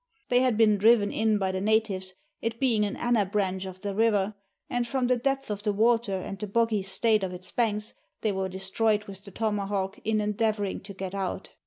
They had been driven in by the natives, it being an ana branch of the river, and from the depth of the water and the boggy state of its banks they were destroyed with the tomahawk in endeavouring to get out.